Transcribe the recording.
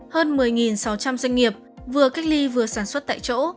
hơn một mươi sáu trăm linh doanh nghiệp vừa cách ly vừa sản xuất tại chỗ